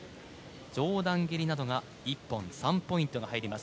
上段蹴りなどが一本３ポイントが入ります